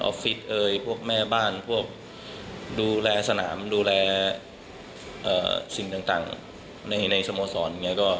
ออฟฟิศพวกแม่บ้านพวกดูแลสนามดูแลสิ่งต่างในสโมสร